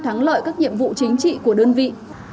thắng lợi các nhiệm vụ chính trị của đơn vị